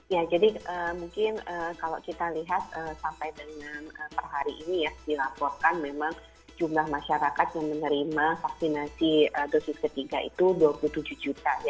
ya jadi mungkin kalau kita lihat sampai dengan per hari ini ya